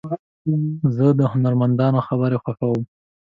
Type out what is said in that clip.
زه د هنرمندانو خبرې خوښوم.